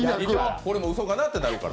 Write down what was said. これもうそかなってなるから。